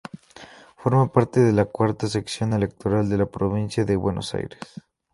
Forma parte de la Cuarta Sección Electoral de la Provincia de Buenos Aires.